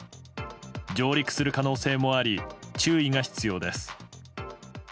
上陸する可能性もあり注意が必要です。